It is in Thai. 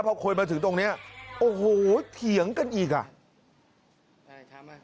พอคุยมาถึงตรงนี้โอ้โหเถียงกันอีกอ่ะ